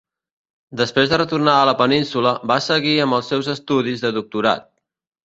Després de retornar a la península, va seguir amb els seus estudis de doctorat.